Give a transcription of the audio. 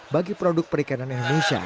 bagi produk perikanan indonesia